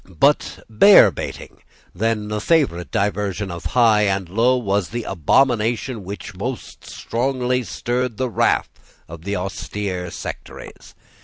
But bearbaiting, then a favourite diversion of high and low, was the abomination which most strongly stirred the wrath of the austere sectaries.